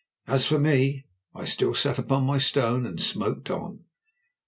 As for me, I sat still upon my stone and smoked on.